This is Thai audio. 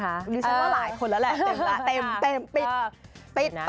หรือฉันว่าหลายคนแล้วแหละเต็มปิดไป